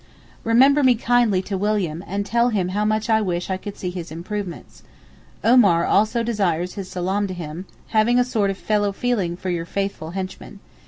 Remember me kindly to William and tell him how much I wish I could see his 'improvements,' Omar also desires his salaam to him, having a sort of fellow feeling for your faithful henchman.